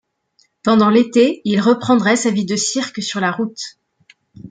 Pendant l'été, il reprendrait sa vie de cirque sur la route.